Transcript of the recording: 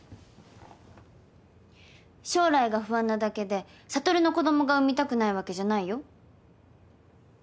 将来が不安なだけで悟の子供が生みたくないわけじゃないよ。